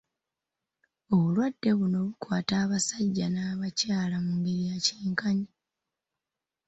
Obulwadde buno bukwata abasajja n'abakyala mu ngeri ya kyenkanyi